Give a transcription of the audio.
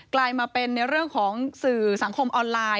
กลายมาเป็นในเรื่องของสื่อสังคมออนไลน์